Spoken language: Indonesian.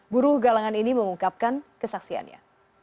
buruh galangan ini mengungkapkan kesaksiannya